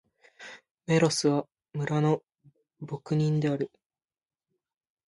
メロスは、村の牧人である。